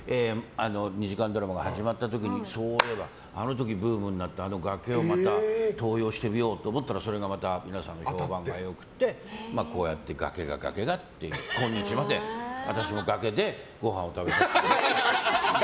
２時間ドラマが始まった時にそういえばあの時ブームになったあの崖をまた登用してみようと思ったらそれがまた皆さんの評判が良くてこうやって崖が崖がって今日まで私も崖でごはんを食べて。